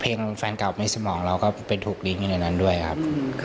เพลงแฟนเก่าไม่สมองเราก็ไปหุบหุดอยู่ในนั้นด้วยครับ